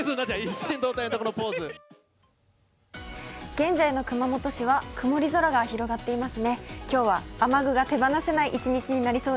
現在の熊本市は曇り空が広がっています。